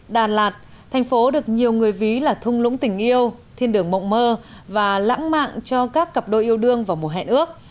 đà lạt thành phố được nhiều người ví là thung lũng tình yêu thiên đường mộng mơ và lãng mạn cho các cặp đôi yêu đương vào mùa hè ước